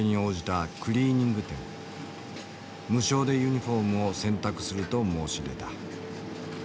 無償でユニフォームを洗濯すると申し出た。